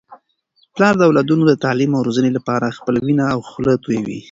پلار د اولادونو د تعلیم او روزنې لپاره خپله وینه او خوله تویوي.